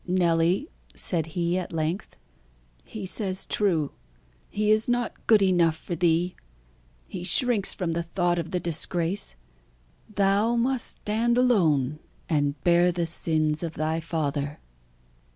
"Nelly," said he, at length, "he says true; he is not good enough for thee. He shrinks from the thought of the disgrace. Thou must stand alone, and bear the sins of thy father."